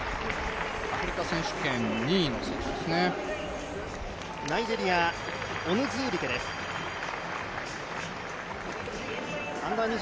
アフリカ選手権２位の選手ですね。